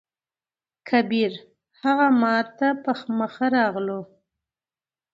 کبير: هغه ماته په مخه راغلو.